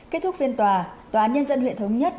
kết thúc phiên tòa tòa án nhân dân huyện thống nhất